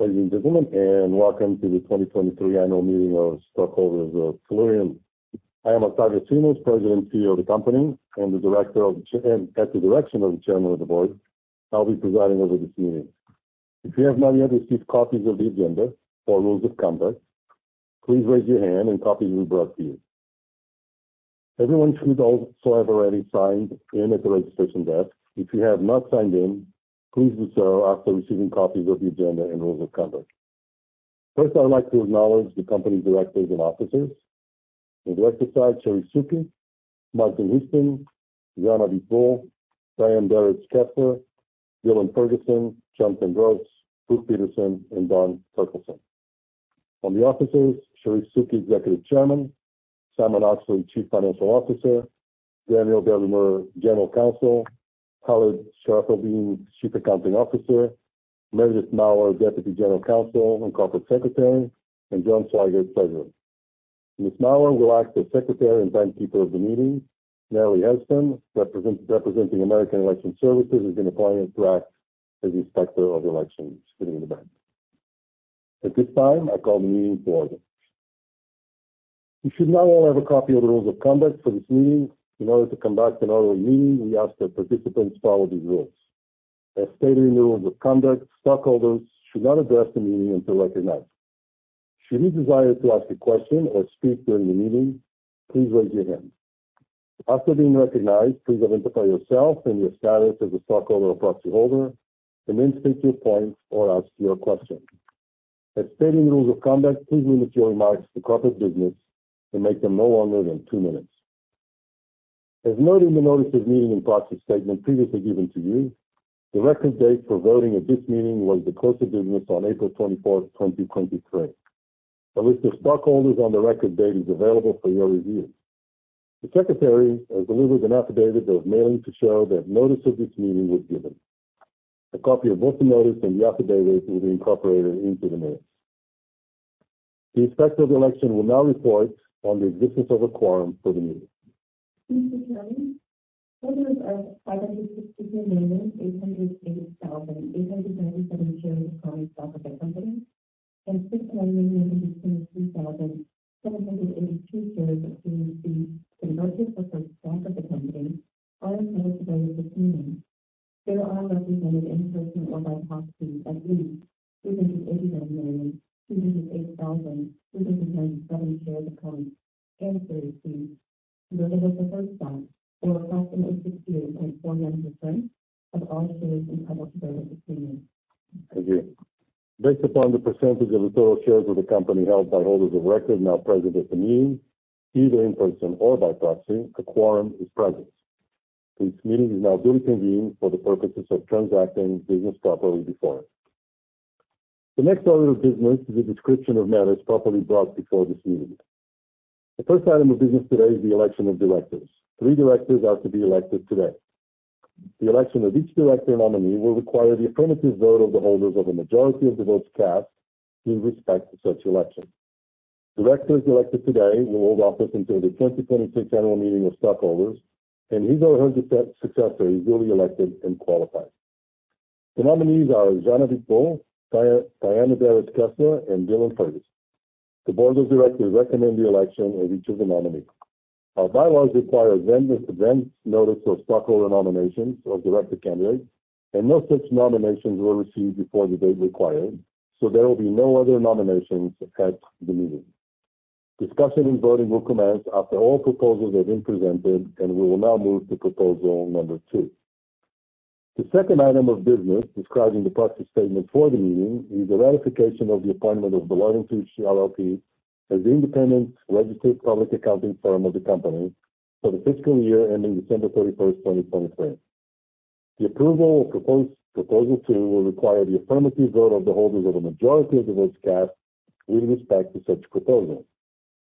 Ladies and gentlemen, welcome to the 2023 annual meeting of stockholders of Tellurian. I am Octávio Simões, President and CEO of the company, and at the direction of the Chairman of the Board, I'll be presiding over this meeting. If you have not yet received copies of the agenda or rules of conduct, please raise your hand, and copies will be brought to you. Everyone should also have already signed in at the registration desk. If you have not signed in, please do so after receiving copies of the agenda and rules of conduct. First, I'd like to acknowledge the company's directors and officers. The directors are Charif Souki, Martin Houston, Jean Abiteboul, Diana Derycz-Kessler, Dillon Ferguson, Jonathan Gross, Brooke Peterson, and Don Turkleson. On the officers, Charif Souki, Executive Chairman, Simon Oxley, Chief Financial Officer, Daniel Belhumeur, General Counsel, Khaled Sharafeldin, Chief Accounting Officer, Meredith Mouer, Deputy General Counsel and Corporate Secretary, and John Swagger, President. Ms. Mouer will act as secretary and timekeeper of the meeting. Mary Hesston, representing American Election Services, has been appointed to act as inspector of elections during the event. At this time, I call the meeting to order. You should now all have a copy of the rules of conduct for this meeting. In order to conduct an orderly meeting, we ask that participants follow these rules. As stated in the rules of conduct, stockholders should not address the meeting until recognized. Should you desire to ask a question or speak during the meeting, please raise your hand. After being recognized, please identify yourself and your status as a stockholder or proxy holder, then state your point or ask your question. As stated in the rules of conduct, please limit your remarks to corporate business and make them no longer than 2 minutes. As noted in the notice of meeting and proxy statement previously given to you, the record date for voting at this meeting was the close of business on April 24th, 2023. A list of stockholders on the record date is available for your review. The secretary has delivered an affidavit of mailing to show that notice of this meeting was given. A copy of both the notice and the affidavit will be incorporated into the minutes. The inspector of the election will now report on the existence of a quorum for the meeting. Thank you, Chairman. Holders of 563,808,897 shares of common stock of the company, and 6,816,782 shares of the converted preferred stock of the company are here today with the meeting. There are represented in person or by proxy at least 289,208,297 shares of common and preferred shares, whether as the first time or approximately 60.49% of all shares in public today with the union. Thank you. Based upon the percentage of the total shares of the company held by holders of records now present at the meeting, either in person or by proxy, a quorum is present. This meeting is now duly convened for the purposes of transacting business properly before us. The next order of business is a description of matters properly brought before this meeting. The first item of business today is the election of directors. Three directors are to be elected today. The election of each director nominee will require the affirmative vote of the holders of a majority of the votes cast in respect to such election. Directors elected today will hold office until the 2026 annual meeting of stockholders, and his or her successor is duly elected and qualified. The nominees are Jean Abiteboul, Diana Derycz-Kessler, and Dillon Ferguson. The board of directors recommend the election of each of the nominees. Our bylaws require advance notice of stockholder nominations of director candidates, no such nominations were received before the date required, there will be no other nominations at the meeting. Discussion and voting will commence after all proposals have been presented, we will now move to proposal number 2. The second item of business described in the proxy statement for the meeting, is the ratification of the appointment of Deloitte & Touche LLP as the independent registered public accounting firm of the company for the fiscal year ending December 31st, 2023. The approval of proposal 2 will require the affirmative vote of the holders of a majority of the votes cast with respect to such proposal.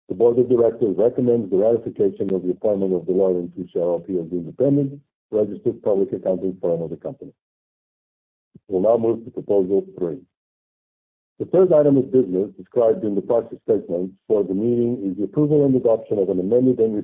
The board of directors recommends the ratification of the appointment of Deloitte & Touche LLP as the independent registered public accounting firm of the company. We'll now move to proposal three. The third item of business described in the proxy statement for the meeting is the approval and adoption of an amended and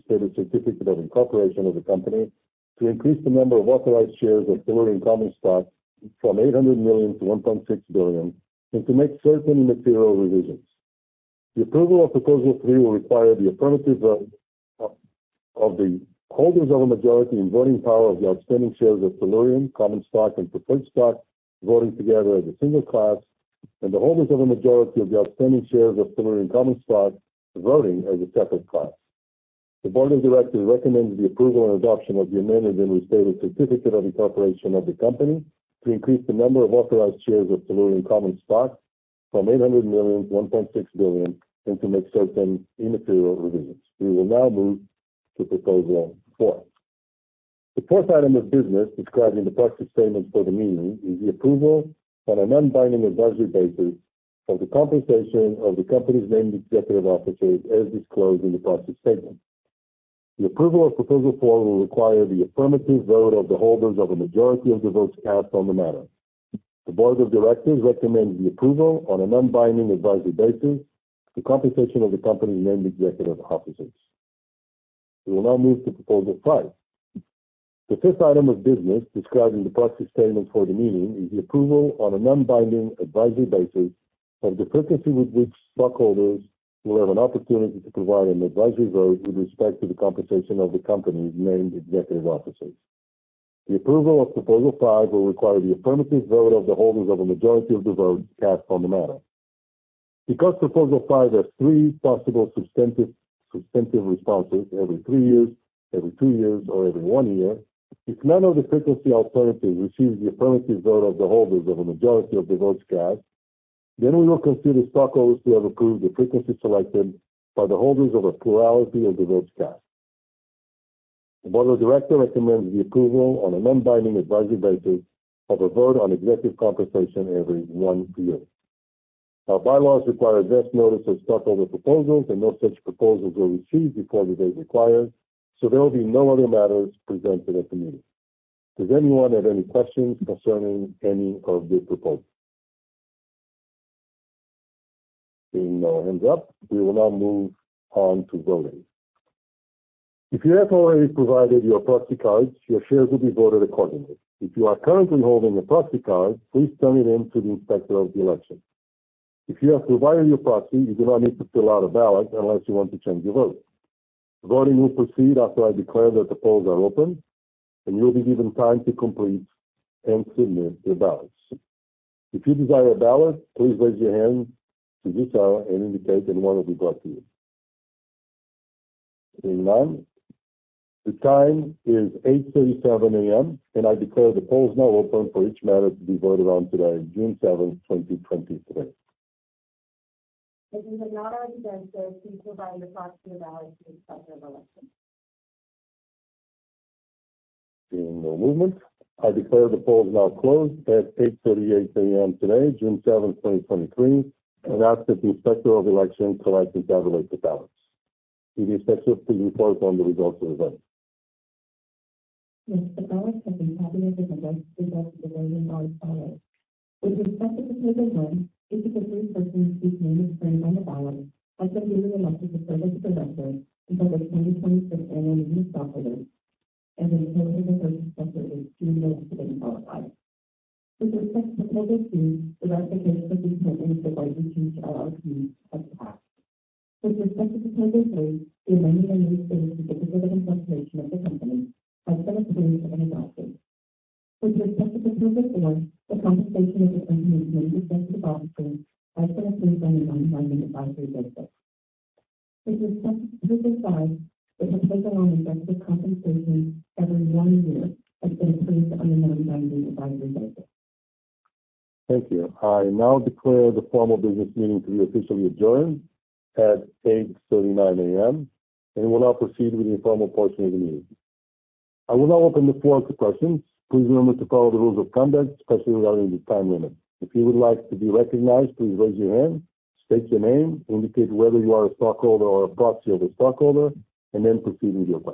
on an non-binding advisory basis of the compensation of the company's named executive officers, as disclosed in the proxy statement. The approval of proposal four will require the affirmative vote of the holders of a majority of the votes cast on the matter. The board of directors recommends the approval on an non-binding advisory basis, the compensation of the company's named executive officers. We will now move to proposal five. The fifth item of business described in the proxy statement for the meeting is the approval on a non-binding advisory basis of the frequency with which stockholders will have an opportunity to provide an advisory vote with respect to the compensation of the company's named executive officers. The approval of Proposal five will require the affirmative vote of the holders of a majority of the votes cast on the matter. Because Proposal five has three possible substantive responses, every three years, every two years, or every one year, if none of the frequency alternatives receives the affirmative vote of the holders of a majority of the votes cast, then we will consider stockholders to have approved the frequency selected by the holders of a plurality of the votes cast. The board of directors recommends the approval on a non-binding advisory basis of a vote on executive compensation every one year. Our bylaws require advanced notice of stockholder proposals, and no such proposals were received before the date required, so there will be no other matters presented at the meeting. Does anyone have any questions concerning any of the proposals? Seeing no hands up, we will now move on to voting. If you have already provided your proxy cards, your shares will be voted accordingly. If you are currently holding a proxy card, please turn it in to the inspector of the election. If you have provided your proxy, you do not need to fill out a ballot unless you want to change your vote. The voting will proceed after I declare that the polls are open, and you will be given time to complete and submit your ballots. If you desire a ballot, please raise your hand to do so and indicate. One will be brought to you. Seeing none. The time is 8:37 A.M. I declare the polls now open for each matter to be voted on today, June seventh, 2023. If you have not already done so, please provide your proxy ballot to the inspector of election. Seeing no movement, I declare the polls now closed at 8:38 A.M. today, June 7th, 2023, and ask that the inspector of election collect and tabulate the ballots. Will the inspector please report on the results of the vote? Yes, the ballots have been tabulated and the results of the voting are as follows. With respect to Proposal 1, each of the 3 persons whose name is printed on the ballot has been duly elected to serve as a director until the 2026 annual meeting of stockholders, and the approval of the persons listed is duly elected and qualified. With respect to Proposal 2, the ratification of the appointment of the Deloitte & Touche LLP has passed. With respect to Proposal 3, the amendment I made today to the corporate incorporation of the company has been approved and adopted. With respect to Proposal 4, the compensation of the company's named executive officers has been approved on a non-binding advisory basis. With respect to Proposal 5, the proposal on executive compensation every 1 year has been approved on a non-binding advisory basis. Thank you. I now declare the formal business meeting to be officially adjourned at 8:39 A.M., and we'll now proceed with the informal portion of the meeting. I will now open the floor to questions. Please remember to follow the rules of conduct, especially regarding the time limit. If you would like to be recognized, please raise your hand, state your name, indicate whether you are a stockholder or a proxy of a stockholder, and then proceed with your question.